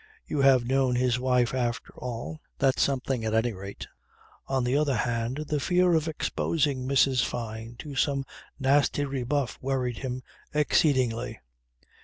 You have known his wife after all. That's something at any rate." On the other hand the fear of exposing Mrs. Fyne to some nasty rebuff worried him exceedingly.